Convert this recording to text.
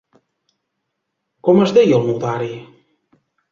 Com es deia el notari?